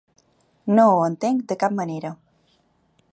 No ho entenc de cap manera.